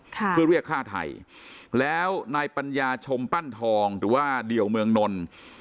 เพื่อเรียกฆ่าไทยแล้วนายปัญญาชมปั้นทองหรือว่าเดี่ยวเมืองนล